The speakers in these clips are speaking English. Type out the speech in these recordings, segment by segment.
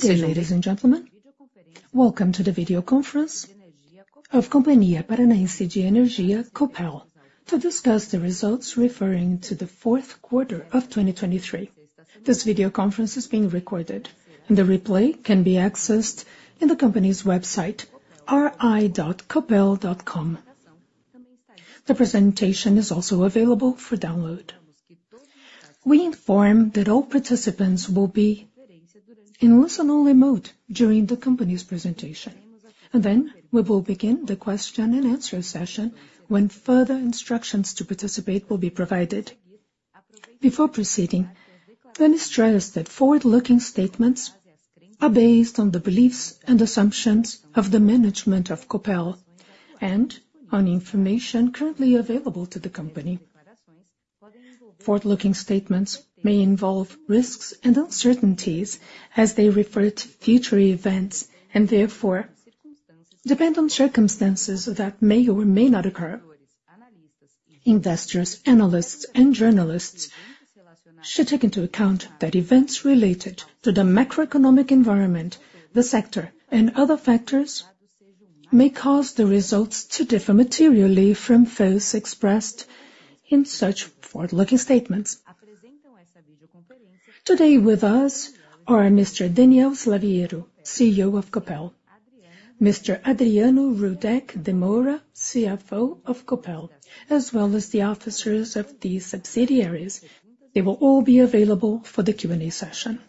Good day, ladies and gentlemen. Welcome to the video conference of Companhia Paranaense de Energia, Copel, to discuss the results referring to the fourth quarter of 2023. This video conference is being recorded, and the replay can be accessed in the company's website, ri.copel.com. The presentation is also available for download. We inform that all participants will be in listen-only mode during the company's presentation, and then we will begin the question-and-answer session when further instructions to participate will be provided. Before proceeding, let me stress that forward-looking statements are based on the beliefs and assumptions of the management of Copel, and on information currently available to the company. Forward-looking statements may involve risks and uncertainties as they refer to future events, and therefore, depend on circumstances that may or may not occur. Investors, analysts, and journalists should take into account that events related to the macroeconomic environment, the sector, and other factors may cause the results to differ materially from those expressed in such forward-looking statements. Today with us are Mr. Daniel Slaviero, CEO of Copel, Mr. Adriano Rudek de Moura, CFO of Copel, as well as the officers of these subsidiaries. They will all be available for the Q&A session.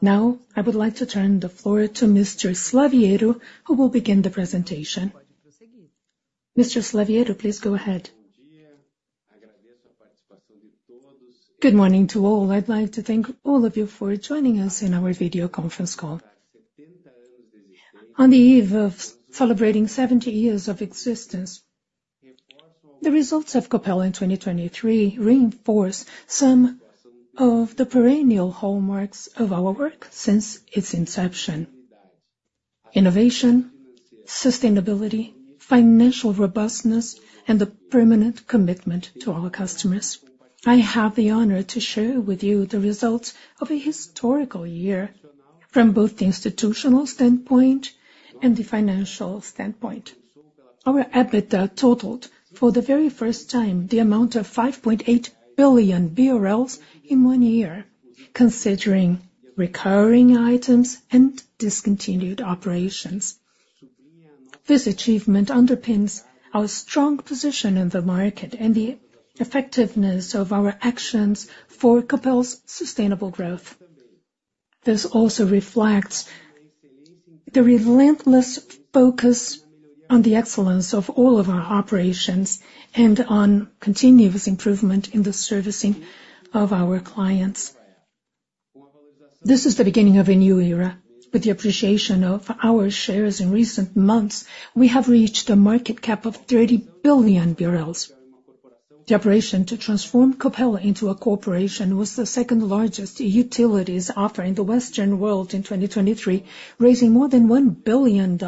Now, I would like to turn the floor to Mr. Slaviero, who will begin the presentation. Mr. Slaviero, please go ahead. Good morning to all. I'd like to thank all of you for joining us in our video conference call. On the eve of celebrating 70 years of existence, the results of Copel in 2023 reinforce some of the perennial hallmarks of our work since its inception: innovation, sustainability, financial robustness, and a permanent commitment to our customers. I have the honor to share with you the results of a historical year from both the institutional standpoint and the financial standpoint. Our EBITDA totaled, for the very first time, the amount of 5.8 billion BRL in one year, considering recurring items and discontinued operations. This achievement underpins our strong position in the market, and the effectiveness of our actions for Copel's sustainable growth. This also reflects the relentless focus on the excellence of all of our operations, and on continuous improvement in the servicing of our clients. This is the beginning of a new era. With the appreciation of our shares in recent months, we have reached a market cap of 30 billion BRL. The operation to transform Copel into a corporation was the second-largest utilities offer in the Western world in 2023, raising more than $1 billion,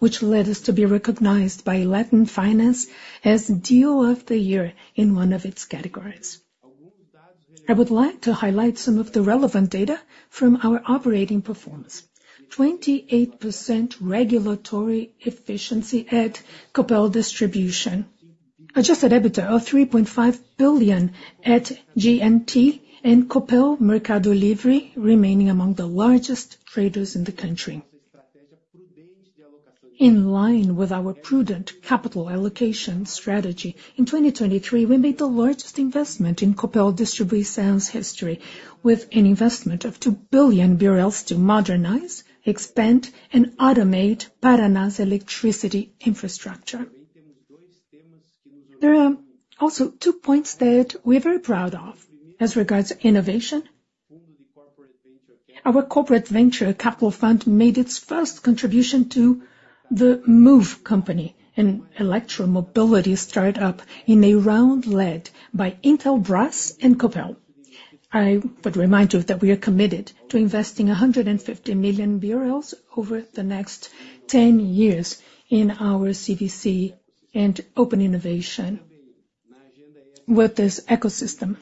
which led us to be recognized by Latin Finance as Deal of the Year in one of its categories. I would like to highlight some of the relevant data from our operating performance. 28% regulatory efficiency at Copel Distribuição. Adjusted EBITDA of 3.5 billion at GNT, and Copel Mercado Livre remaining among the largest traders in the country. In line with our prudent capital allocation strategy, in 2023, we made the largest investment in Copel Distribuição's history, with an investment of 2 billion BRL to modernize, expand, and automate Paraná's electricity infrastructure. There are also two points that we're very proud of as regards innovation. Our corporate venture capital fund made its first contribution to the Move company, an electromobility startup, in a round led by Intel, Braskem, and Copel. I would remind you that we are committed to investing BRL 150 million over the next 10 years in our CVC and open innovation with this ecosystem.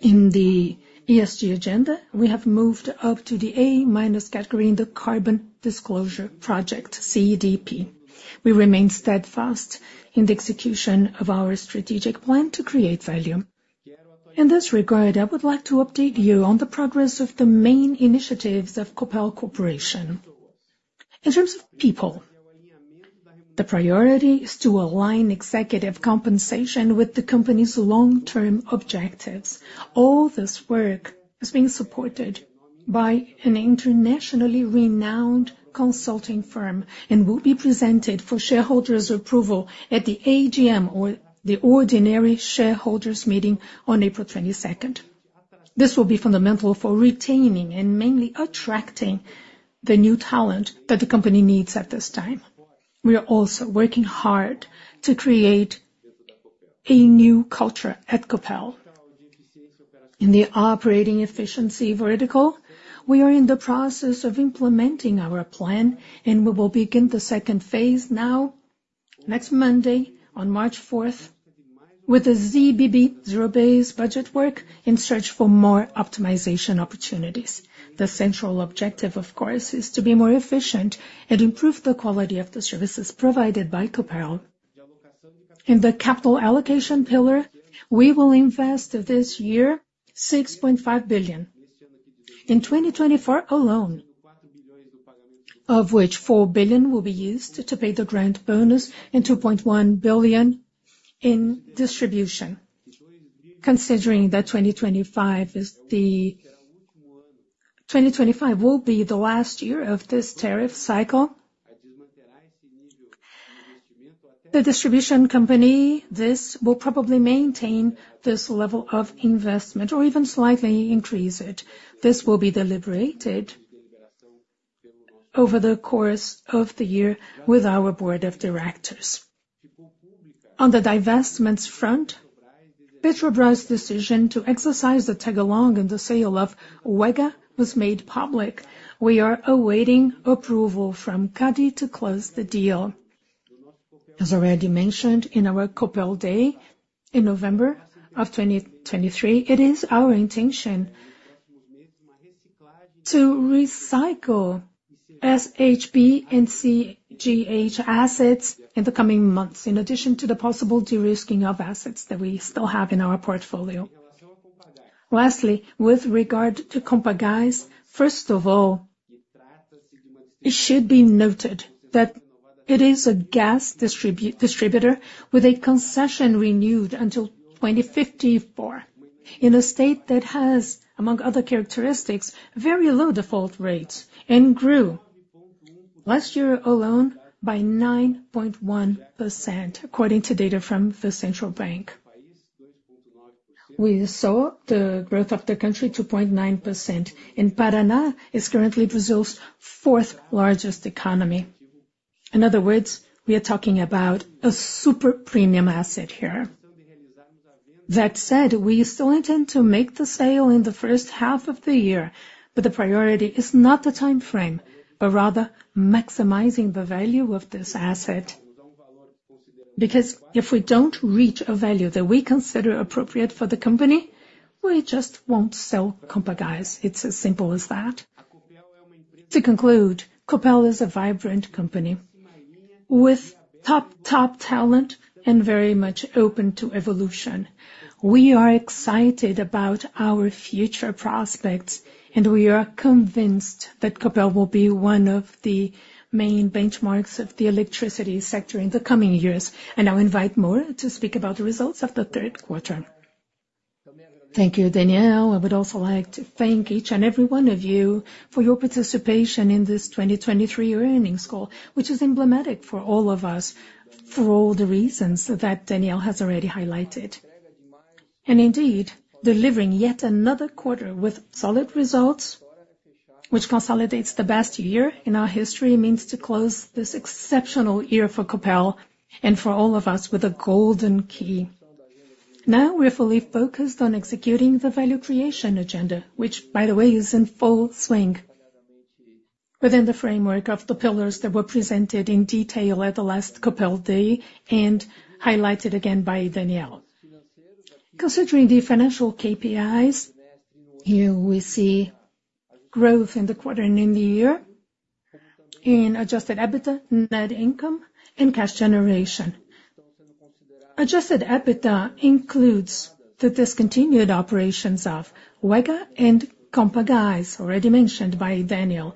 In the ESG agenda, we have moved up to the A-minus category in the Carbon Disclosure Project, CDP. We remain steadfast in the execution of our strategic plan to create value. In this regard, I would like to update you on the progress of the main initiatives of Copel Corporation. In terms of people, the priority is to align executive compensation with the company's long-term objectives. All this work is being supported by an internationally renowned consulting firm, and will be presented for shareholders' approval at the AGM or the ordinary shareholders meeting on April 22. This will be fundamental for retaining, and mainly attracting, the new talent that the company needs at this time. We are also working hard to create a new culture at Copel. In the operating efficiency vertical, we are in the process of implementing our plan, and we will begin the second phase now, next Monday, on March 4. With the ZBB, zero-based budget work, in search for more optimization opportunities. The central objective, of course, is to be more efficient and improve the quality of the services provided by Copel. In the capital allocation pillar, we will invest this year 6.5 billion. In 2024 alone, of which 4 billion will be used to pay the Grant Bonus and 2.1 billion in distribution. Considering that 2025 will be the last year of this tariff cycle, the distribution company, this will probably maintain this level of investment or even slightly increase it. This will be deliberated over the course of the year with our board of directors. On the divestments front, Petrobras' decision to exercise the tag-along in the sale of UEGA was made public. We are awaiting approval from CADE to close the deal. As already mentioned in our Copel Day in November 2023, it is our intention to recycle SHP and CGH assets in the coming months, in addition to the possible de-risking of assets that we still have in our portfolio. Lastly, with regard to Compagas, first of all, it should be noted that it is a gas distributor, with a concession renewed until 2054, in a state that has, among other characteristics, very low default rates, and grew last year alone by 9.1%, according to data from the central bank. We saw the growth of the country, 2.9%, and Paraná is currently Brazil's fourth largest economy. In other words, we are talking about a super premium asset here. That said, we still intend to make the sale in the first half of the year, but the priority is not the time frame, but rather maximizing the value of this asset. Because if we don't reach a value that we consider appropriate for the company, we just won't sell Compagas. It's as simple as that. To conclude, Copel is a vibrant company with top, top talent and very much open to evolution. We are excited about our future prospects, and we are convinced that Copel will be one of the main benchmarks of the electricity sector in the coming years. I now invite Moura to speak about the results of the third quarter. Thank you, Daniel. I would also like to thank each and every one of you for your participation in this 2023 earnings call, which is emblematic for all of us, for all the reasons that Daniel has already highlighted. Indeed, delivering yet another quarter with solid results, which consolidates the best year in our history, means to close this exceptional year for Copel and for all of us with a golden key. Now, we're fully focused on executing the value creation agenda, which by the way, is in full swing within the framework of the pillars that were presented in detail at the last Copel Day, and highlighted again by Daniel. Considering the financial KPIs, here we see growth in the quarter and in the year, in adjusted EBITDA, net income, and cash generation. Adjusted EBITDA includes the discontinued operations of UEGA and Compagas, already mentioned by Daniel,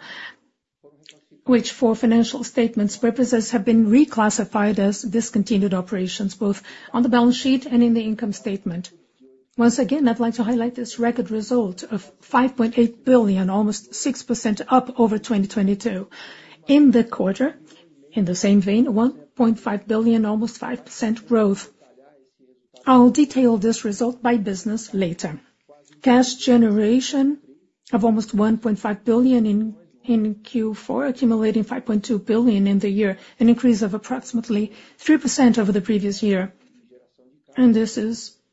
which for financial statements purposes, have been reclassified as discontinued operations, both on the balance sheet and in the income statement. Once again, I'd like to highlight this record result of 5.8 billion, almost 6% up over 2022. In the quarter, in the same vein, 1.5 billion, almost 5% growth. I'll detail this result by business later. Cash generation of almost 1.5 billion in Q4, accumulating 5.2 billion in the year, an increase of approximately 3% over the previous year. This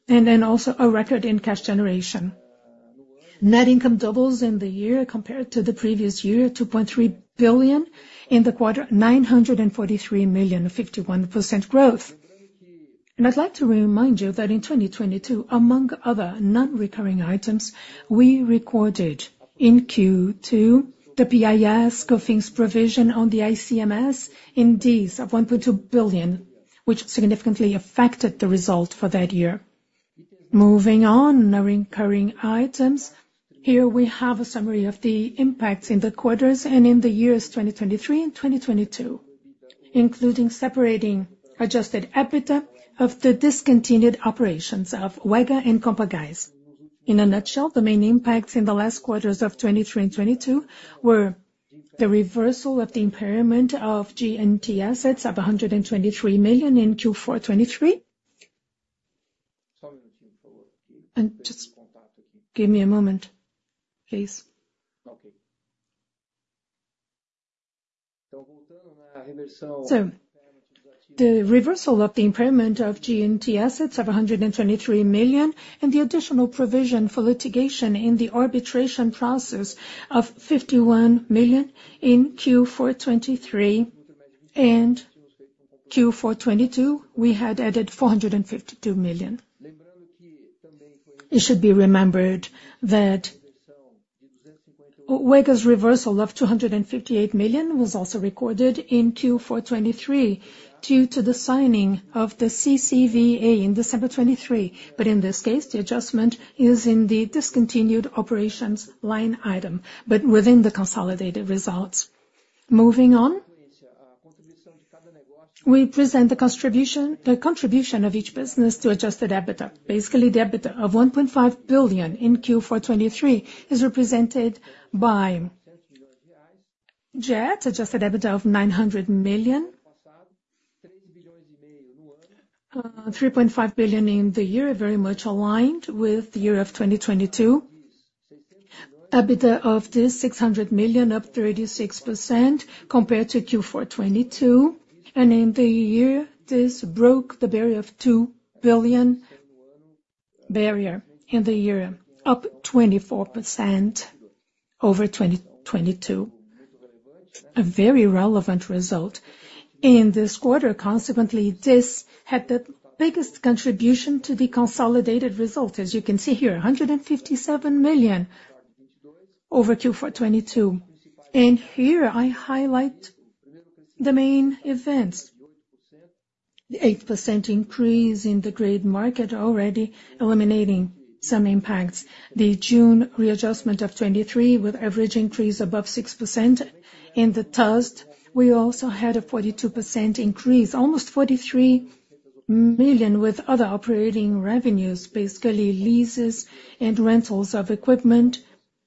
is—and then also a record in cash generation. Net income doubles in the year compared to the previous year, 2.3 billion. In the quarter, 943 million, a 51% growth. And I'd like to remind you that in 2022, among other non-recurring items, we recorded in Q2 the PIS/Cofins provision on the ICMS indeed of 1.2 billion, which significantly affected the result for that year. Moving on, non-recurring items. Here we have a summary of the impacts in the quarters and in the years 2023 and 2022, including separating adjusted EBITDA of the discontinued operations of UEGA and Compagas. In a nutshell, the main impacts in the last quarters of 2023 and 2022 were the reversal of the impairment of GNT assets of 123 million in Q4 2023. And just give me a moment, please. Okay. So the reversal of the impairment of GNT assets of 123 million, and the additional provision for litigation in the arbitration process of 51 million in Q4 2023. And Q4 2022, we had added 452 million. It should be remembered that UEGA's reversal of 258 million was also recorded in Q4 2023, due to the signing of the CCVA in December 2023. But in this case, the adjustment is in the discontinued operations line item, but within the consolidated results. Moving on, we present the contribution, the contribution of each business to adjusted EBITDA. Basically, the EBITDA of 1.5 billion in Q4 2023 is represented by Copel's adjusted EBITDA of 900 million, 3.5 billion in the year, very much aligned with the year of 2022. EBITDA of this 600 million, up 36% compared to Q4 2022, and in the year, this broke the barrier of 2 billion barrier in the year, up 24% over 2022. A very relevant result. In this quarter, consequently, this had the biggest contribution to the consolidated result. As you can see here, 157 million over Q4 2022. And here, I highlight the main events. The 8% increase in the free market, already eliminating some impacts. The June readjustment of 2023, with average increase above 6%. In the TUST, we also had a 42% increase, almost 43 million, with other operating revenues, basically leases and rentals of equipment,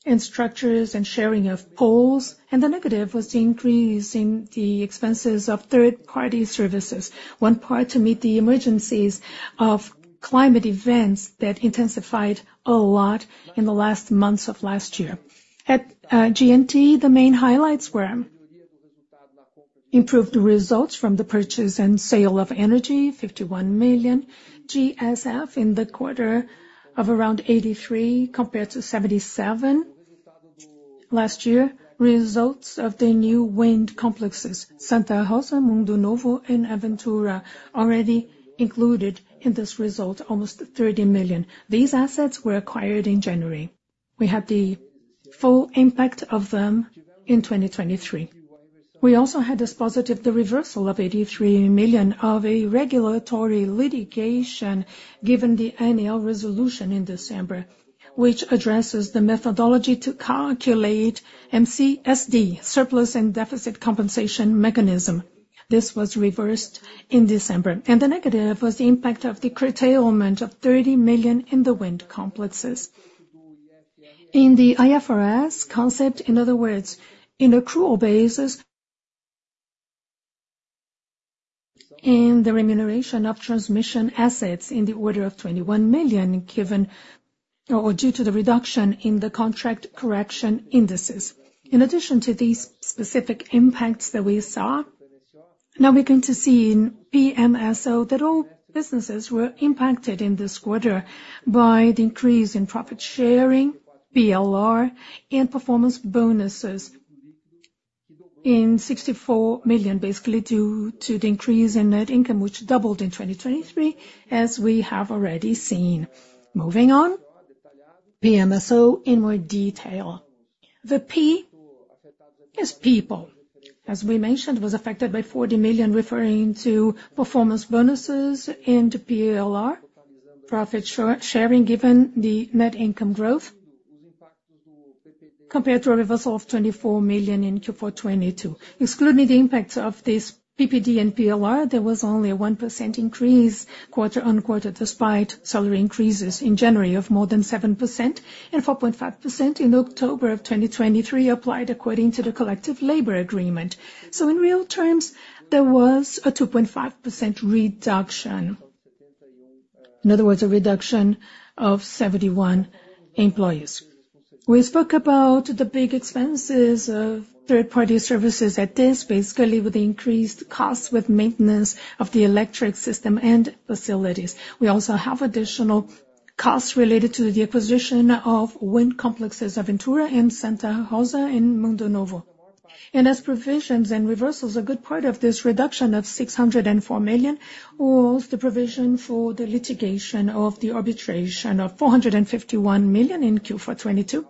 and structures, and sharing of poles. And the negative was the increase in the expenses of third-party services. One part to meet the emergencies of climate events that intensified a lot in the last months of last year. At GNT, the main highlights were: improved results from the purchase and sale of energy, 51 million GSF in the quarter of around 83%, compared to 77% last year. Results of the new wind complexes, Santa Rosa, Mundo Novo, and Aventura, already included in this result, almost 30 million. These assets were acquired in January. We had the full impact of them in 2023. We also had this positive, the reversal of 83 million of a regulatory litigation, given the annual resolution in December, which addresses the methodology to calculate MCSD, surplus and deficit compensation mechanism. This was reversed in December. The negative was the impact of the curtailment of 30 million in the wind complexes. In the IFRS concept, in other words, in accrual basis. In the remuneration of transmission assets in the order of 21 million, given or due to the reduction in the contract correction indices. In addition to these specific impacts that we saw, now we're going to see in PMSO that all businesses were impacted in this quarter by the increase in profit sharing, PLR, and performance bonuses in BRL 64 million, basically due to the increase in net income, which doubled in 2023, as we have already seen. Moving on, PMSO in more detail. The P is people, as we mentioned, was affected by 40 million, referring to performance bonuses and PLR, profit sharing, given the net income growth, compared to a reversal of 24 million in Q4 2022. Excluding the impacts of this PPD and PLR, there was only a 1% increase quarter-on-quarter, despite salary increases in January of more than 7%, and 4.5% in October of 2023, applied according to the collective labor agreement. So in real terms, there was a 2.5% reduction. In other words, a reduction of 71 employees. We spoke about the big expenses of third-party services at this, basically with the increased costs, with maintenance of the electric system and facilities. We also have additional costs related to the acquisition of wind complexes, Aventura and Santa Rosa in Mundo Novo. As provisions and reversals, a good part of this reduction of 604 million was the provision for the litigation of the arbitration of 451 million in Q4 2022,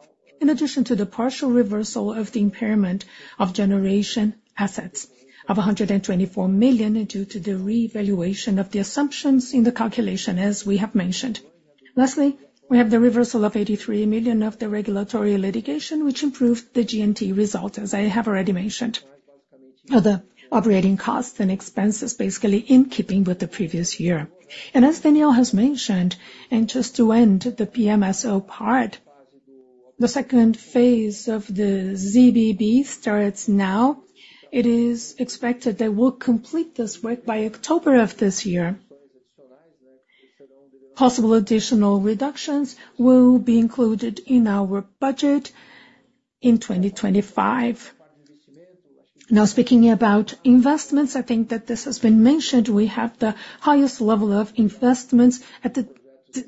in addition to the partial reversal of the impairment of generation assets of 124 million, due to the revaluation of the assumptions in the calculation, as we have mentioned. Lastly, we have the reversal of 83 million of the regulatory litigation, which improved the GNT result, as I have already mentioned. Other operating costs and expenses, basically in keeping with the previous year. As Daniel has mentioned, and just to end the PMSO part, the second phase of the ZBB starts now. It is expected that we'll complete this work by October of this year. Possible additional reductions will be included in our budget in 2025. Now, speaking about investments, I think that this has been mentioned, we have the highest level of investments at the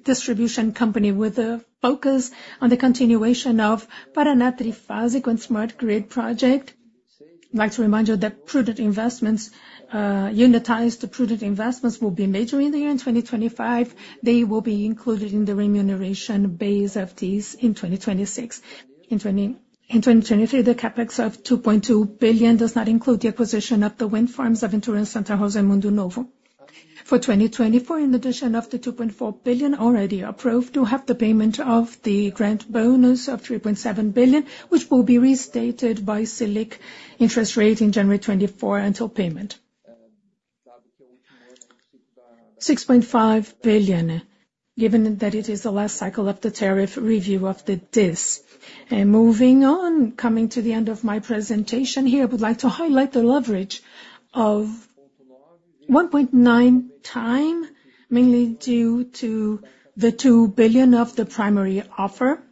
distribution company with a focus on the continuation of Paraná Trifásico and Smart Grid project. I'd like to remind you that prudent investments, unitized prudent investments will be maturing there in 2025. They will be included in the remuneration base of these in 2026. In 2023, the CapEx of 2.2 billion does not include the acquisition of the wind farms of Aventura, Santa Rosa, and Mundo Novo. For 2024, in addition of the 2.4 billion already approved, to have the payment of the Grant Bonus of 3.7 billion, which will be restated by Selic interest rate in January 2024 until payment. 6.5 billion, given that it is the last cycle of the tariff review of the DIS. And moving on, coming to the end of my presentation here, I would like to highlight the leverage of 1.9 times, mainly due to the 2 billion of the primary offer.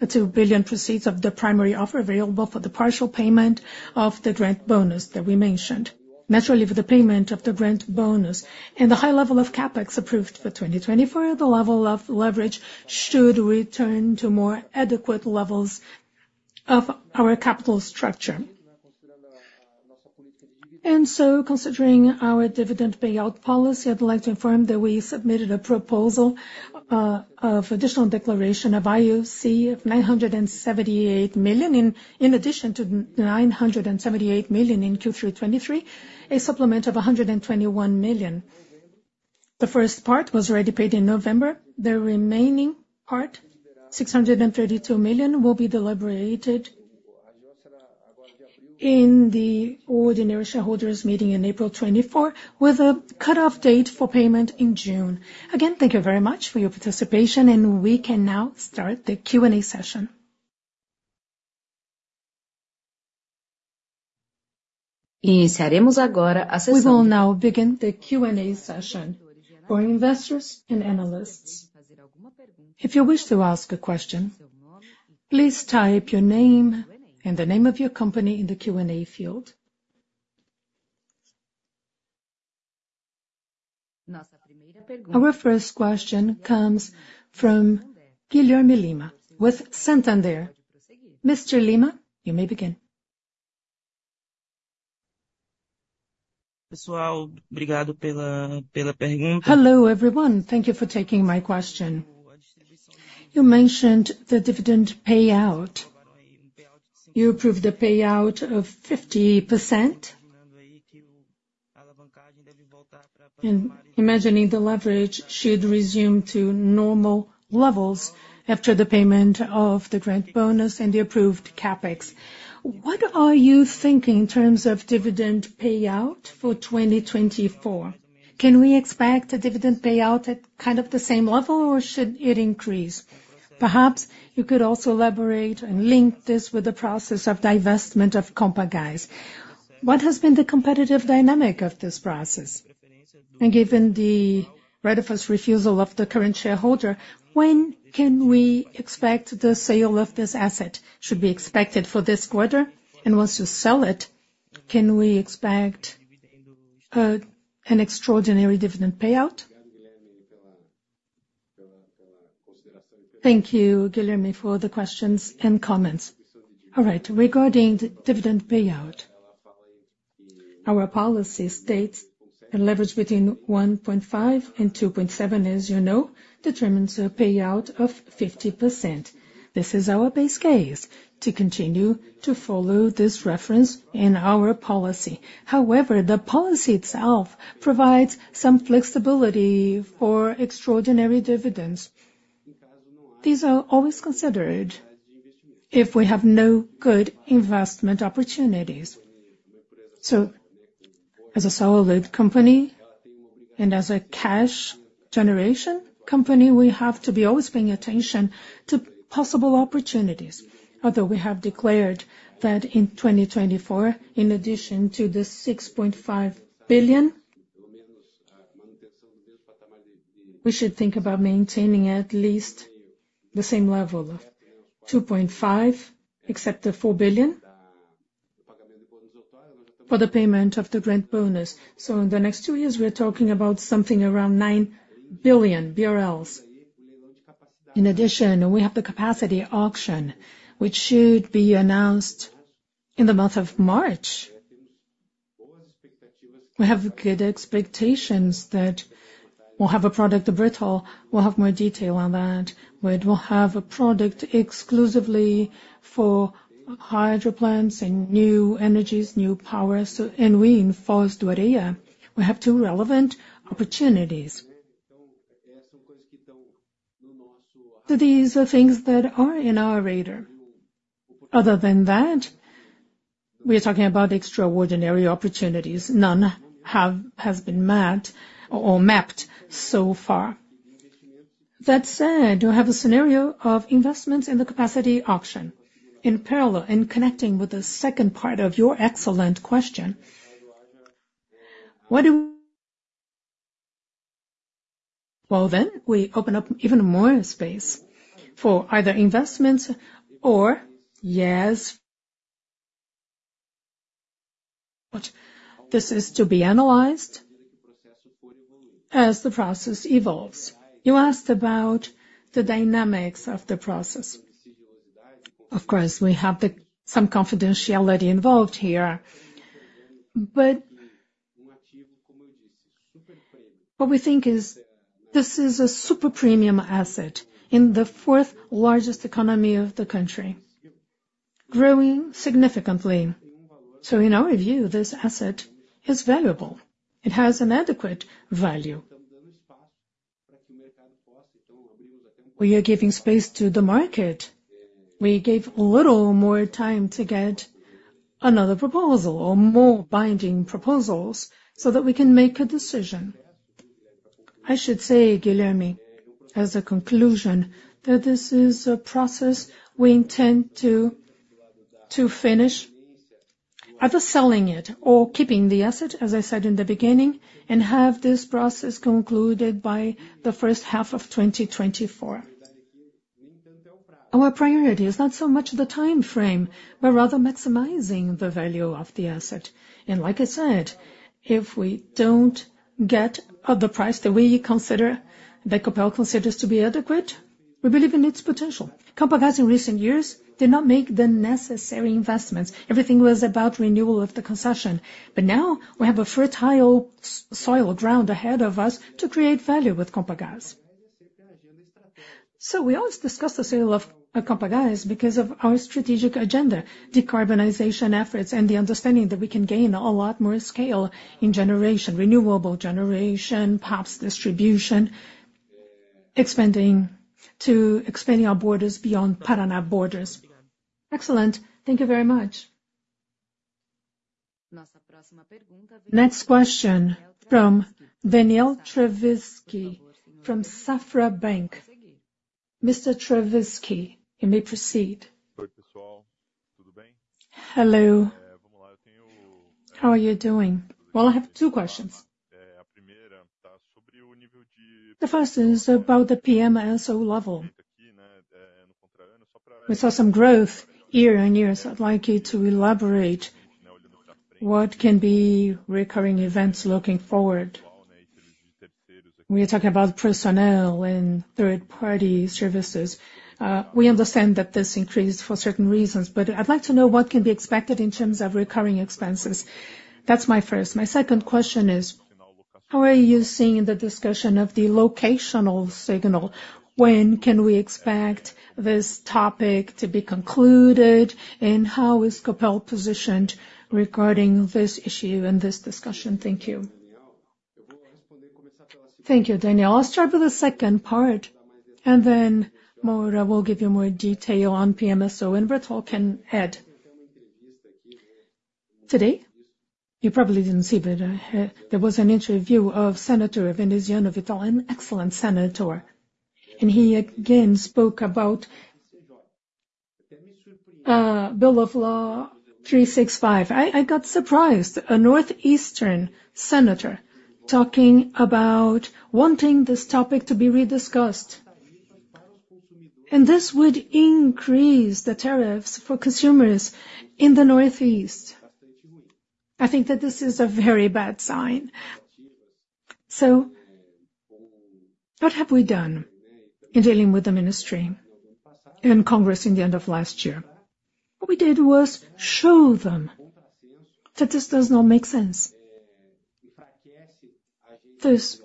The 2 billion proceeds of the primary offer available for the partial payment of the grant bonus that we mentioned. Naturally, for the payment of the grant bonus and the high level of CapEx approved for 2024, the level of leverage should return to more adequate levels of our capital structure. Considering our dividend payout policy, I'd like to inform that we submitted a proposal of additional declaration of IOC of 978 million, in addition to 978 million in Q3 2023, a supplement of 121 million. The first part was already paid in November. The remaining part, 632 million, will be deliberated in the ordinary shareholders meeting in April 2024, with a cutoff date for payment in June. Again, thank you very much for your participation, and we can now start the Q&A session. We will now begin the Q&A session for investors and analysts. If you wish to ask a question, please type your name and the name of your company in the Q&A field. Our first question comes from Guilherme Lima with Santander. Mr. Lima, you may begin. Hello, everyone. Thank you for taking my question. You mentioned the dividend payout. You approved a payout of 50%, and imagining the leverage should resume to normal levels after the payment of the grant bonus and the approved CapEx. What are you thinking in terms of dividend payout for 2024? Can we expect a dividend payout at kind of the same level, or should it increase? Perhaps you could also elaborate and link this with the process of divestment of Compagas. What has been the competitive dynamic of this process? And given the right of first refusal of the current shareholder, when can we expect the sale of this asset? Should be expected for this quarter? And once you sell it, can we expect an extraordinary dividend payout? Thank you, Guilherme, for the questions and comments. All right, regarding the dividend payout, our policy states a leverage between 1.5 and 2.7, as you know, determines a payout of 50%. This is our base case to continue to follow this reference in our policy. However, the policy itself provides some flexibility for extraordinary dividends. These are always considered if we have no good investment opportunities. So as a solid company and as a cash generation company, we have to be always paying attention to possible opportunities. Although we have declared that in 2024, in addition to the 6.5 billion, we should think about maintaining at least the same level of 2.5 billion, except the 4 billion, for the payment of the Grant Bonus. So in the next two years, we are talking about something around 9 billion BRL. In addition, we have the capacity auction, which should be announced in the month of March. We have good expectations that we'll have a product, Brital. We'll have more detail on that, where it will have a product exclusively for hydroplants and new energies, new powers, so, and we in Foz do Areia, we have two relevant opportunities. So these are things that are in our radar. Other than that, we are talking about extraordinary opportunities. None has been met or mapped so far. That said, you have a scenario of investments in the capacity auction. In parallel, in connecting with the second part of your excellent question, what do. Well, then, we open up even more space for either investments or, yes, for. But this is to be analyzed as the process evolves. You asked about the dynamics of the process. Of course, we have some confidentiality involved here. But what we think is, this is a super premium asset in the fourth largest economy of the country, growing significantly. So in our view, this asset is valuable. It has an adequate value. We are giving space to the market. We gave a little more time to get another proposal or more binding proposals, so that we can make a decision. I should say, Guilherme, as a conclusion, that this is a process we intend to finish, either selling it or keeping the asset, as I said in the beginning, and have this process concluded by the first half of 2024. Our priority is not so much the time frame, but rather maximizing the value of the asset. And like I said, if we don't get the price that we consider, that Copel considers to be adequate, we believe in its potential. Compagas in recent years did not make the necessary investments. Everything was about renewal of the concession. But now we have a fertile soil ground ahead of us to create value with Compagas. So we always discuss the sale of Compagas because of our strategic agenda, decarbonization efforts, and the understanding that we can gain a lot more scale in generation, renewable generation, perhaps distribution, expanding to expanding our borders beyond Paraná borders. Excellent. Thank you very much. Next question from Daniel Travitzky, from Safra Bank. Mr. Travitzky, you may proceed. Hello, how are you doing? Well, I have two questions. The first is about the PMSO level. We saw some growth year-on-year, so I'd like you to elaborate what can be recurring events looking forward. We are talking about personnel and third-party services. We understand that this increased for certain reasons, but I'd like to know what can be expected in terms of recurring expenses. That's my first. My second question is: how are you seeing the discussion of the locational signal? When can we expect this topic to be concluded, and how is Copel positioned regarding this issue and this discussion? Thank you. Thank you, Daniel. I'll start with the second part, and then Moura will give you more detail on PMSO, and Roberto can add. Today, you probably didn't see, but, there was an interview of Senator Veneziano Vital, an excellent senator, and he again spoke about, Bill of Law 365. I got surprised, a northeastern senator talking about wanting this topic to be rediscussed. And this would increase the tariffs for consumers in the Northeast. I think that this is a very bad sign. So what have we done in dealing with the ministry and Congress in the end of last year? What we did was show them that this does not make sense. This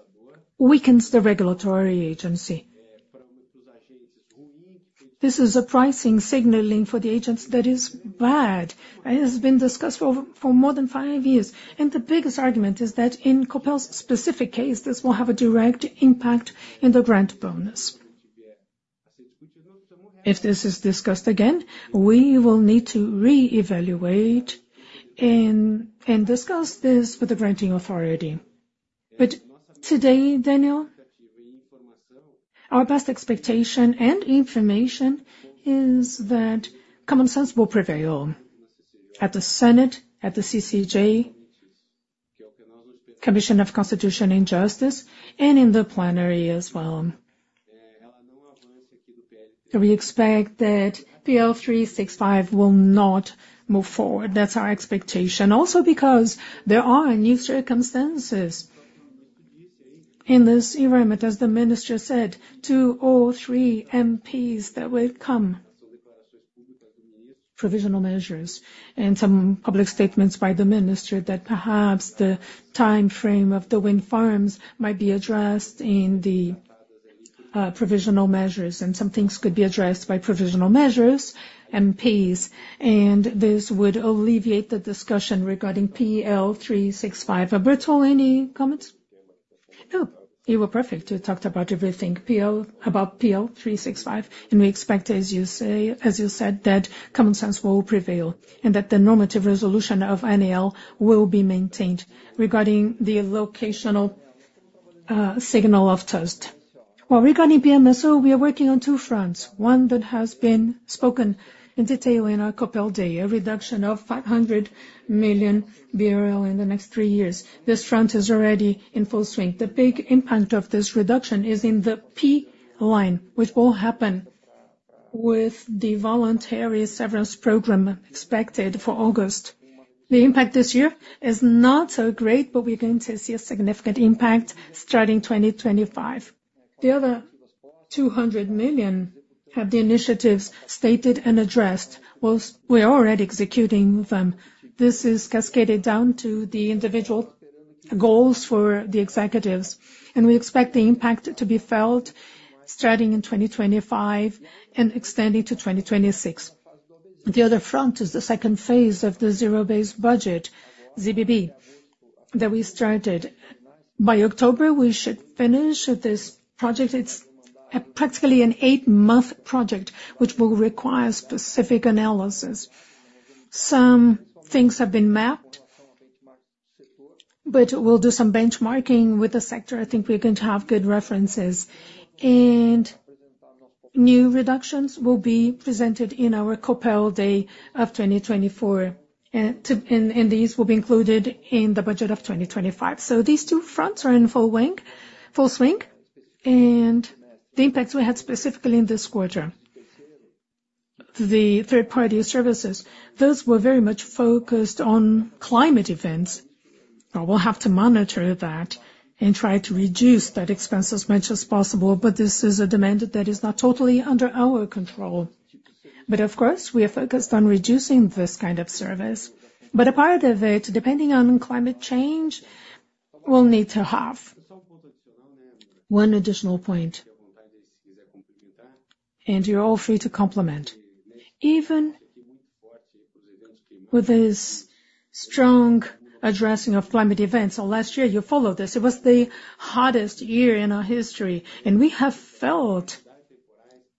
weakens the regulatory agency. This is a pricing signaling for the agents that is bad, and it has been discussed for more than five years. And the biggest argument is that in Copel's specific case, this will have a direct impact in the Grant Bonus. If this is discussed again, we will need to reevaluate and discuss this with the granting authority. But today, Daniel, our best expectation and information is that common sense will prevail at the Senate, at the CCJ, Commission of Constitution and Justice, and in the plenary as well. We expect that PL 365 will not move forward. That's our expectation. Also, because there are new circumstances in this environment, as the minister said, two or three MPs that will come. Provisional measures and some public statements by the minister that perhaps the timeframe of the wind farms might be addressed in the provisional measures, and some things could be addressed by provisional measures, MPs, and this would alleviate the discussion regarding PL 365. Roberto, any comments? No, you were perfect. You talked about everything, PL 365, and we expect, as you say, as you said, that common sense will prevail and that the normative resolution of ANEEL will be maintained regarding the locational signal of TUST. Well, regarding PMSO, we are working on two fronts. One that has been spoken in detail in our Copel Day, a reduction of 500 million in the next three years. This front is already in full swing. The big impact of this reduction is in the P line, which will happen with the voluntary severance program expected for August. The impact this year is not so great, but we're going to see a significant impact starting 2025. The other 200 million have the initiatives stated and addressed, while we're already executing them. This is cascaded down to the individual goals for the executives, and we expect the impact to be felt starting in 2025 and extending to 2026. The other front is the second phase of the zero-based budget, ZBB, that we started. By October, we should finish this project. It's practically an 8-month project, which will require specific analysis. Some things have been mapped, but we'll do some benchmarking with the sector. I think we're going to have good references. And new reductions will be presented in our Copel Day of 2024, and these will be included in the budget of 2025. So these two fronts are in full swing, and the impacts we had specifically in this quarter. The third-party services, those were very much focused on climate events, but we'll have to monitor that and try to reduce that expense as much as possible. But this is a demand that is not totally under our control. But of course, we are focused on reducing this kind of service. But a part of it, depending on climate change, we'll need to have. One additional point, and you're all free to complement. Even with this strong addressing of climate events, so last year, you followed this, it was the hottest year in our history, and we have felt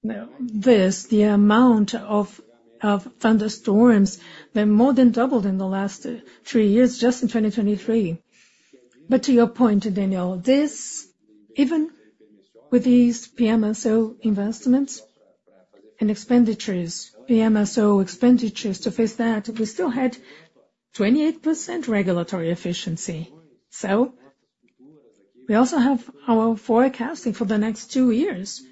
this, the amount of thunderstorms, they more than doubled in the last three years, just in 2023. But to your point, Daniel, this, even with these PMSO investments and expenditures, PMSO expenditures to face that, we still had 28% regulatory efficiency. So we also have our forecasting for the next two years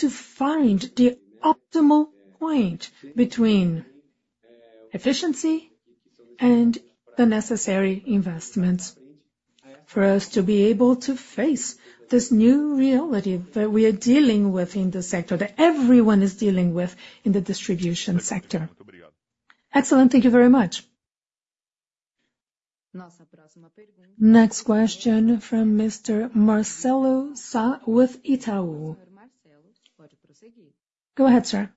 to find the optimal point between efficiency and the necessary investments for us to be able to face this new reality that we are dealing with in the sector, that everyone is dealing with in the distribution sector. Excellent. Thank you very much. Next question from Mr. Marcelo Sá with Itaú. Go ahead, sir.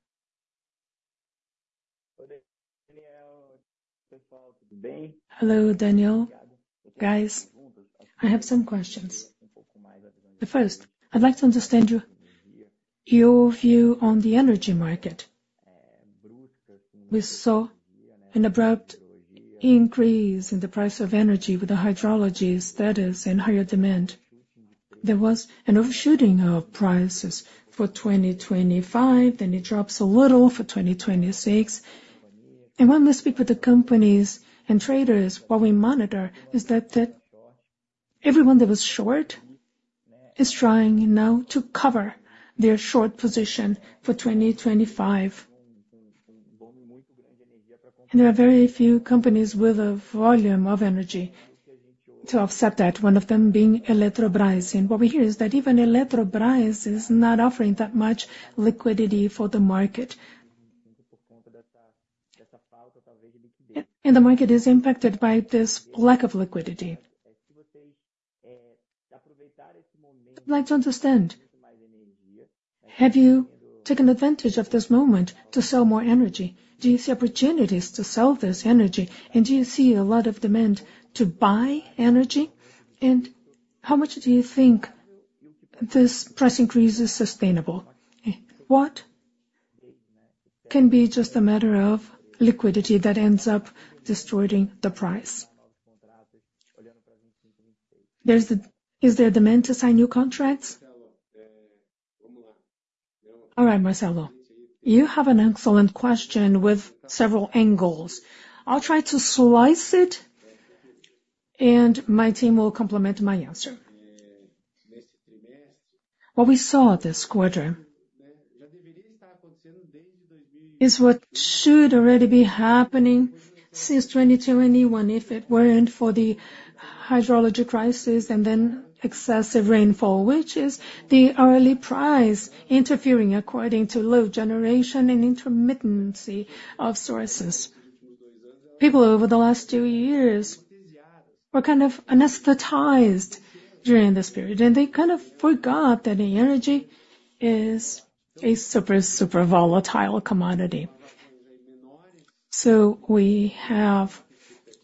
Hello, Daniel. Guys, I have some questions. The first, I'd like to understand your, your view on the energy market. We saw an abrupt increase in the price of energy with the hydrology status and higher demand. There was an overshooting of prices for 2025, then it drops a little for 2026. And when we speak with the companies and traders, what we monitor is that, that everyone that was short is trying now to cover their short position for 2025. There are very few companies with a volume of energy to offset that, one of them being Eletrobras. What we hear is that even Eletrobras is not offering that much liquidity for the market. And the market is impacted by this lack of liquidity. I'd like to understand, have you taken advantage of this moment to sell more energy? Do you see opportunities to sell this energy, and do you see a lot of demand to buy energy? And how much do you think this price increase is sustainable? What can be just a matter of liquidity that ends up distorting the price? Is there demand to sign new contracts? All right, Marcelo, you have an excellent question with several angles. I'll try to slice it, and my team will complement my answer. What we saw this quarter is what should already be happening since 2021, if it weren't for the hydrology crisis and then excessive rainfall, which is the hourly price interfering according to low generation and intermittency of sources. People, over the last two years, were kind of anesthetized during this period, and they kind of forgot that the energy is a super, super volatile commodity. So we have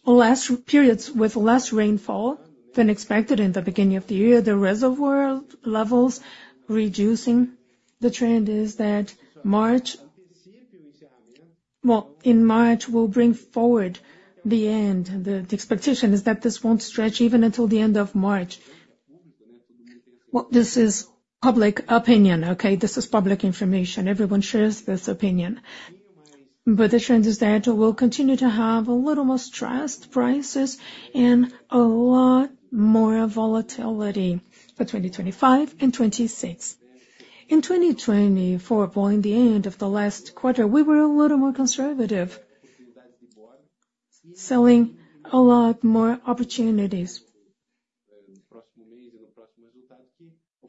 less periods with less rainfall than expected in the beginning of the year. The reservoir levels reducing. The trend is that March. Well, in March, will bring forward the end. The expectation is that this won't stretch even until the end of March. Well, this is public opinion, okay? This is public information. Everyone shares this opinion. But the trend is that we'll continue to have a little more stressed prices and a lot more volatility for 2025 and 2026. In 2024, well, in the end of the last quarter, we were a little more conservative, selling a lot more opportunities.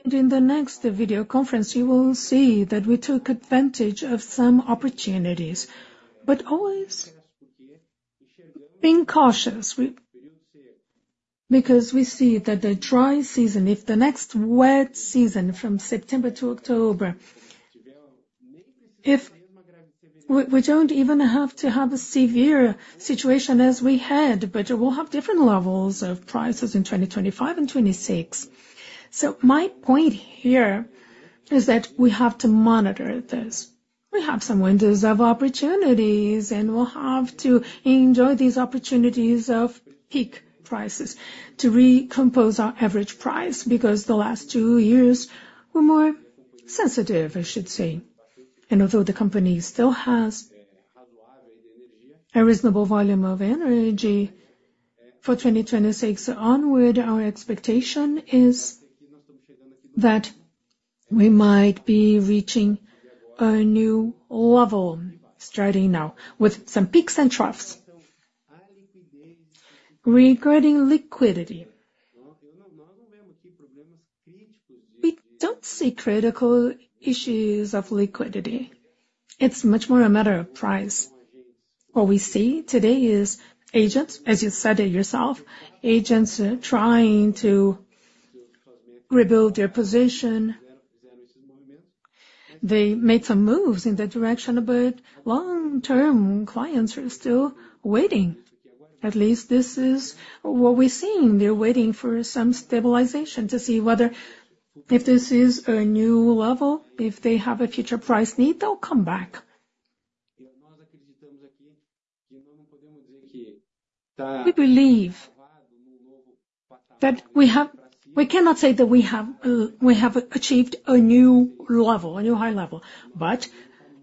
And in the next video conference, you will see that we took advantage of some opportunities, but always being cautious. Because we see that the dry season, if the next wet season, from September to October, if we don't even have to have a severe situation as we had, but it will have different levels of prices in 2025 and 2026. So my point here is that we have to monitor this. We have some windows of opportunities, and we'll have to enjoy these opportunities of peak prices to recompose our average price, because the last two years were more sensitive, I should say. Although the company still has a reasonable volume of energy for 2026 onward, our expectation is that we might be reaching a new level, starting now, with some peaks and troughs. Regarding liquidity, we don't see critical issues of liquidity. It's much more a matter of price. What we see today is agents, as you said it yourself, agents trying to rebuild their position. They made some moves in that direction, but long-term clients are still waiting. At least this is what we're seeing. They're waiting for some stabilization to see whether, if this is a new level, if they have a future price need, they'll come back. We cannot say that we have achieved a new level, a new high level, but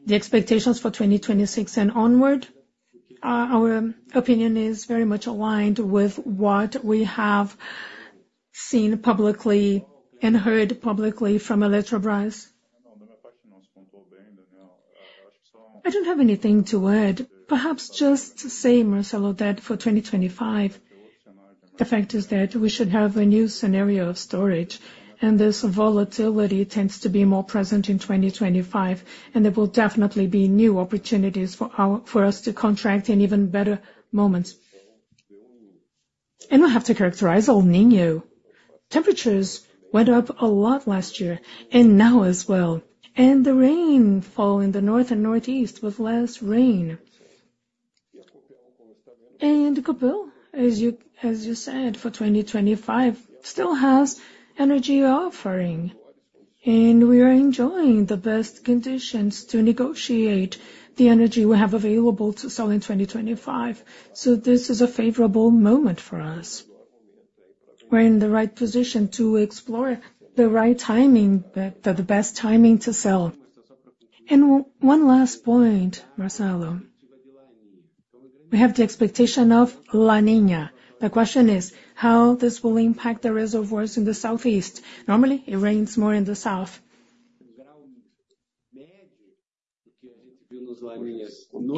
the expectations for 2026 and onward, our opinion is very much aligned with what we have seen publicly and heard publicly from Eletrobras. I don't have anything to add. Perhaps just to say, Marcelo, that for 2025, the fact is that we should have a new scenario of storage, and this volatility tends to be more present in 2025, and there will definitely be new opportunities for us to contract in even better moments. And we have to characterize El Niño. Temperatures went up a lot last year and now as well, and the rain falling in the north and northeast with less rain. And Copel, as you said, for 2025, still has energy offering, and we are enjoying the best conditions to negotiate the energy we have available to sell in 2025. So this is a favorable moment for us. We're in the right position to explore the right timing, the best timing to sell. And one last point, Marcelo, we have the expectation of La Niña. The question is, how this will impact the reservoirs in the southeast? Normally, it rains more in the south.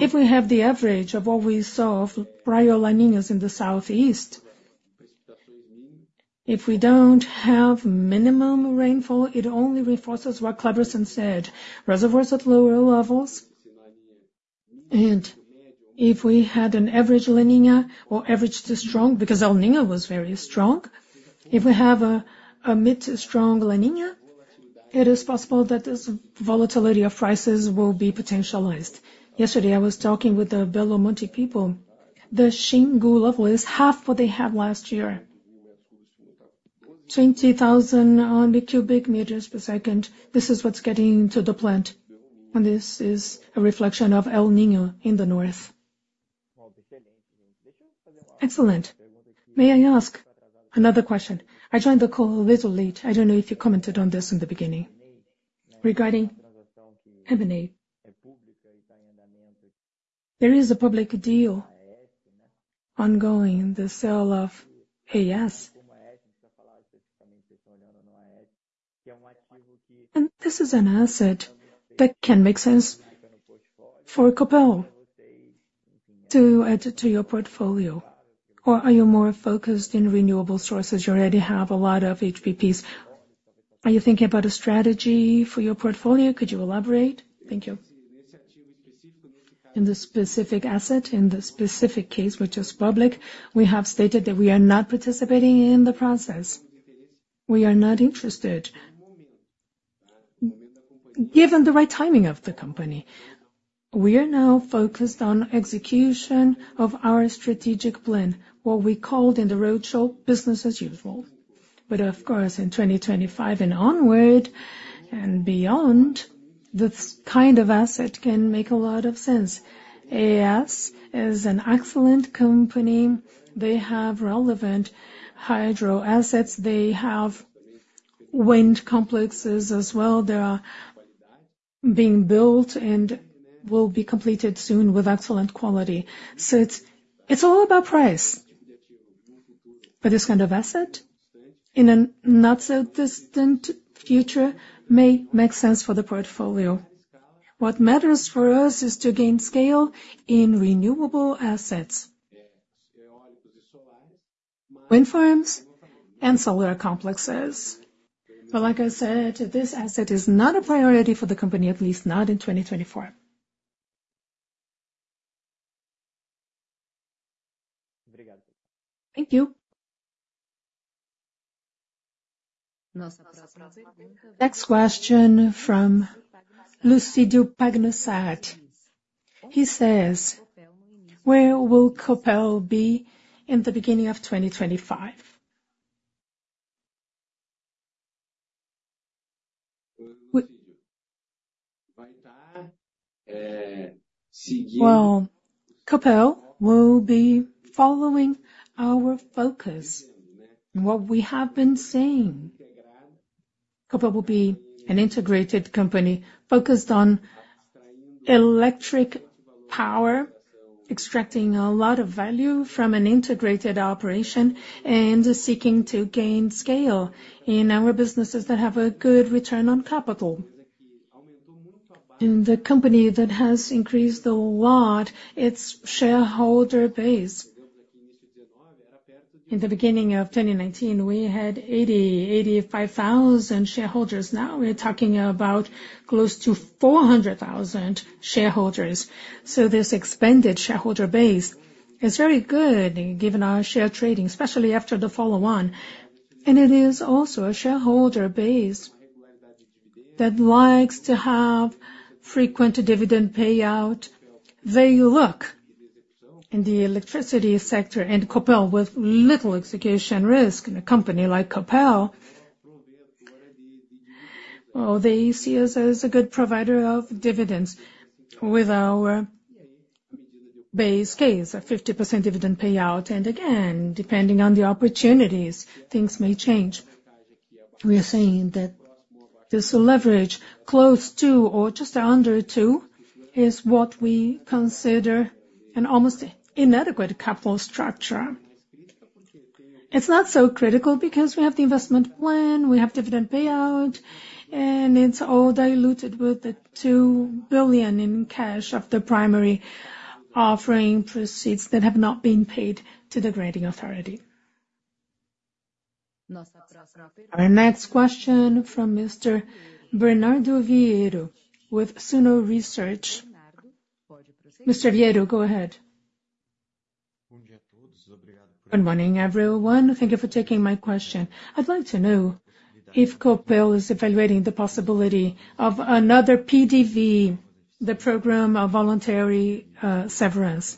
If we have the average of what we saw of prior La Niñas in the southeast, if we don't have minimum rainfall, it only reinforces what Cleverson said: reservoirs at lower levels. If we had an average La Niña or average to strong, because El Niño was very strong, if we have a mid to strong La Niña, it is possible that this volatility of prices will be potentialized. Yesterday, I was talking with the Belo Monte people. The Xingu level is half what they had last year. 20,000 cubic meters per second, this is what's getting into the plant, and this is a reflection of El Niño in the north. Excellent. May I ask another question? I joined the call a little late. I don't know if you commented on this in the beginning. Regarding M&A, there is a public deal ongoing in the sale of AES. This is an asset that can make sense for Copel to add to your portfolio. Or are you more focused in renewable sources? You already have a lot of HBPs. Are you thinking about a strategy for your portfolio? Could you elaborate? Thank you. In this specific asset, in this specific case, which is public, we have stated that we are not participating in the process. We are not interested. Given the right timing of the company, we are now focused on execution of our strategic plan, what we called in the roadshow, business as usual. But of course, in 2025 and onward and beyond, this kind of asset can make a lot of sense. AES is an excellent company. They have relevant hydro assets. They have wind complexes as well, they are being built and will be completed soon with excellent quality. So it's all about price. But this kind of asset, in a not so distant future, may make sense for the portfolio. What matters for us is to gain scale in renewable assets, wind farms, and solar complexes. But like I said, this asset is not a priority for the company, at least not in 2024. Thank you. Next question from Lucido Pagnussat. He says, "Where will Copel be in the beginning of 2025?" Well, Copel will be following our focus, and what we have been saying. Copel will be an integrated company focused on electric power, extracting a lot of value from an integrated operation, and seeking to gain scale in our businesses that have a good return on capital. And the company that has increased a lot, its shareholder base. In the beginning of 2019, we had 80,000-85,000 shareholders. Now we're talking about close to 400,000 shareholders. So this expanded shareholder base is very good, given our share trading, especially after the follow-on. It is also a shareholder base that likes to have frequent dividend payout. They look in the electricity sector, and Copel, with little execution risk in a company like Copel, well, they see us as a good provider of dividends with our base case, a 50% dividend payout. And again, depending on the opportunities, things may change. We are saying that this leverage, close to or just under two, is what we consider an almost inadequate capital structure. It's not so critical because we have the investment plan, we have dividend payout, and it's all diluted with the $2 billion in cash of the primary offering proceeds that have not been paid to the granting authority. Our next question from Mr. Bernardo Viero, with Suno Research. Mr. Viero, go ahead. Good morning, everyone. Thank you for taking my question. I'd like to know if Copel is evaluating the possibility of another PDV, the program of voluntary severance,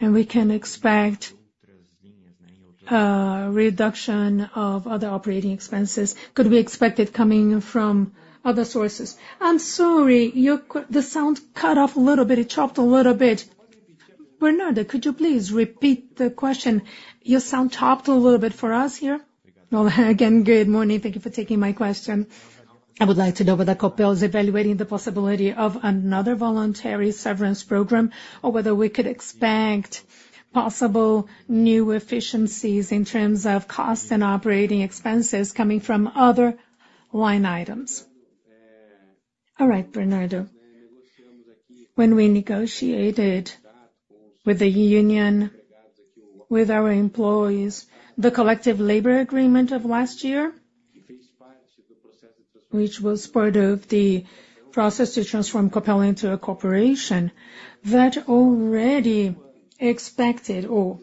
and we can expect reduction of other operating expenses. Could we expect it coming from other sources? I'm sorry, your question. The sound cut off a little bit. It chopped a little bit. Bernardo, could you please repeat the question? Your sound chopped a little bit for us here. Well, again, good morning. Thank you for taking my question. I would like to know whether Copel is evaluating the possibility of another voluntary severance program, or whether we could expect possible new efficiencies in terms of costs and operating expenses coming from other line items. All right, Bernardo. When we negotiated with the union, with our employees, the collective labor agreement of last year, which was part of the process to transform Copel into a corporation, that already expected or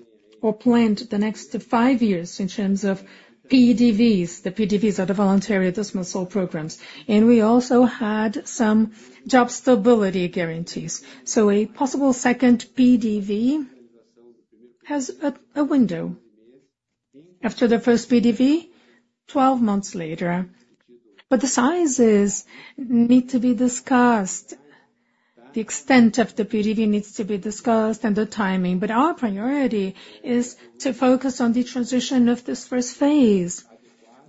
planned the next five years in terms of PDVs. The PDVs are the voluntary dismissal programs, and we also had some job stability guarantees. So a possible second PDV has a window. After the first PDV, twelve months later. But the sizes need to be discussed. The extent of the PDV needs to be discussed and the timing, but our priority is to focus on the transition of this first phase.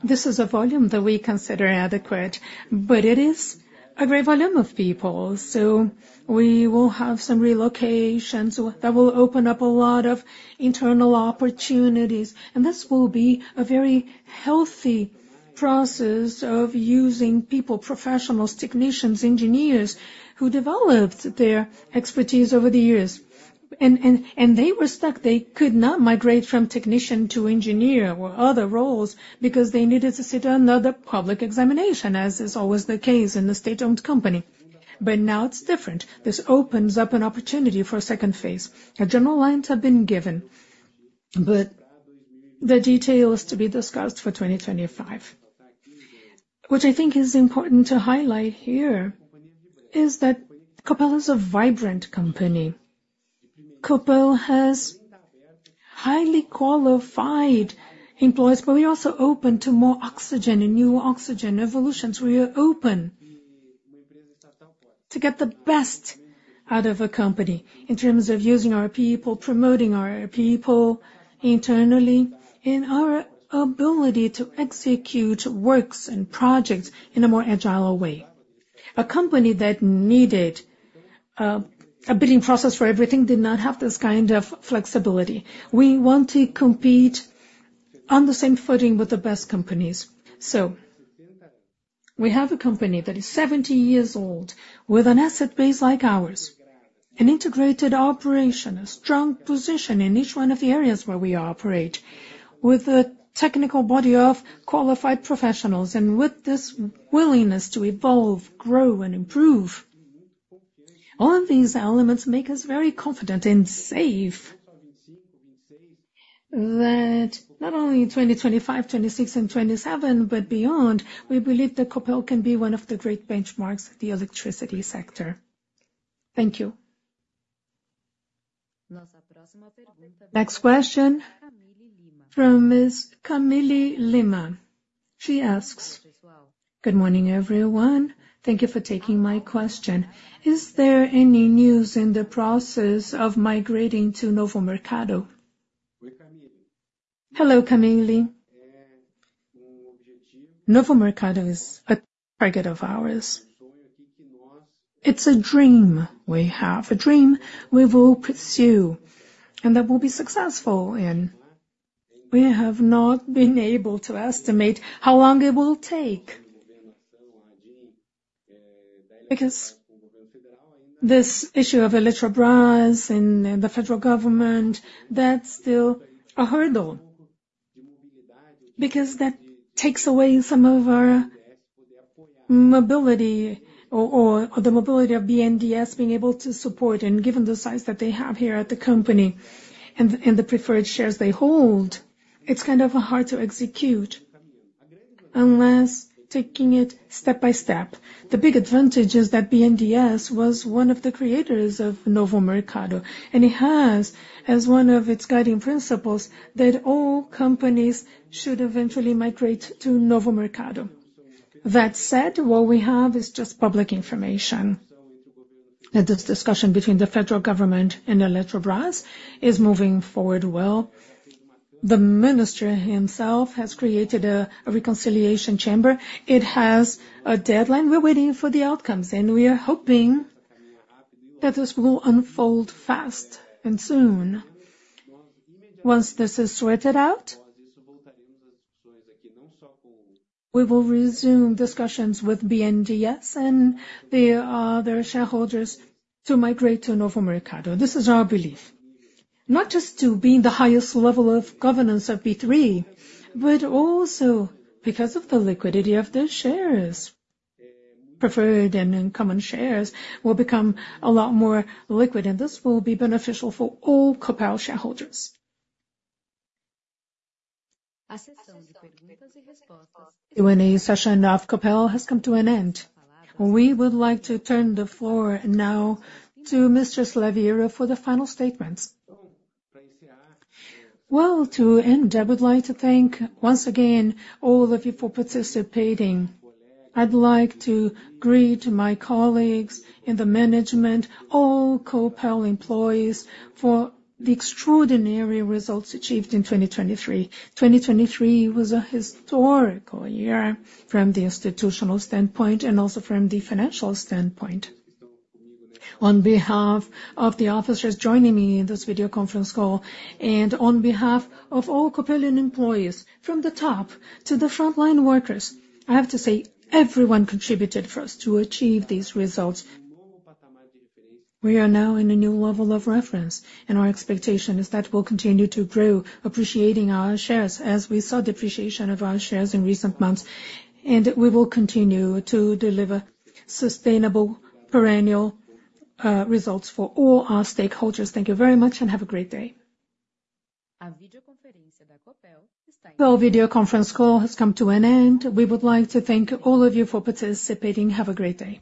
This is a volume that we consider adequate, but it is a great volume of people, so we will have some relocations that will open up a lot of internal opportunities, and this will be a very healthy process of using people, professionals, technicians, engineers, who developed their expertise over the years. And they were stuck. They could not migrate from technician to engineer or other roles, because they needed to sit another public examination, as is always the case in a state-owned company. But now it's different. This opens up an opportunity for a second phase. The general lines have been given, but the detail is to be discussed for 2025. What I think is important to highlight here is that Copel is a vibrant company. Copel has highly qualified employees, but we're also open to more oxygen and new oxygen evolutions. We are open. To get the best out of a company, in terms of using our people, promoting our people internally, and our ability to execute works and projects in a more agile way. A company that needed, a bidding process for everything, did not have this kind of flexibility. We want to compete on the same footing with the best companies. So we have a company that is 70 years old, with an asset base like ours, an integrated operation, a strong position in each one of the areas where we operate, with a technical body of qualified professionals, and with this willingness to evolve, grow and improve. All of these elements make us very confident and safe that not only in 2025, 2026, and 2027, but beyond, we believe that Copel can be one of the great benchmarks in the electricity sector. Thank you. Next question from Ms. Camile Lima. She asks: "Good morning, everyone. Thank you for taking my question. Is there any news in the process of migrating to Novo Mercado?" Hello, Camile. Novo Mercado is a target of ours. It's a dream we have, a dream we will pursue, and that we'll be successful in. We have not been able to estimate how long it will take, because this issue of Eletrobras and the federal government, that's still a hurdle, because that takes away some of our mobility or the mobility of BNDES being able to support. And given the size that they have here at the company, and the preferred shares they hold, it's kind of hard to execute unless taking it step by step. The big advantage is that BNDES was one of the creators of Novo Mercado, and it has, as one of its guiding principles, that all companies should eventually migrate to Novo Mercado. That said, what we have is just public information, that this discussion between the federal government and Eletrobras is moving forward well. The minister himself has created a, a reconciliation chamber. It has a deadline. We're waiting for the outcomes, and we are hoping that this will unfold fast and soon. Once this is sorted out, we will resume discussions with BNDES and their, their shareholders to migrate to Novo Mercado. This is our belief. Not just to be in the highest level of governance of B3, but also because of the liquidity of the shares. Preferred and, and common shares will become a lot more liquid, and this will be beneficial for all Copel shareholders. Q&A session of Copel has come to an end. We would like to turn the floor now to Mr. Slaviero for the final statements. Well, to end, I would like to thank once again all of you for participating. I'd like to greet my colleagues in the management, all Copel employees for the extraordinary results achieved in 2023. 2023 was a historical year from the institutional standpoint and also from the financial standpoint. On behalf of the officers joining me in this video conference call, and on behalf of all Copel employees, from the top to the frontline workers, I have to say, everyone contributed for us to achieve these results. We are now in a new level of reference, and our expectation is that we'll continue to grow, appreciating our shares as we saw depreciation of our shares in recent months, and we will continue to deliver sustainable perennial results for all our stakeholders. Thank you very much, and have a great day. Our video conference call has come to an end. We would like to thank all of you for participating. Have a great day.